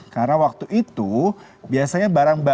karena waktu itu biasanya barang buah